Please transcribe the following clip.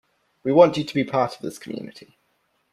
We want you to be part of this community.